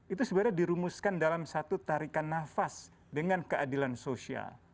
itu sebenarnya dirumuskan dalam satu tarikan nafas dengan keadilan sosial